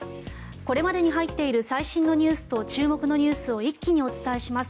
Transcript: これまでに入っている最新ニュースと注目ニュースを一気にお伝えします。